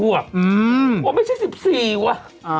ว่าไม่ใช่๑๔ว่ะ